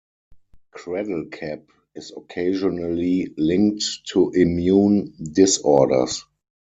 Cradle cap is occasionally linked to immune disorders.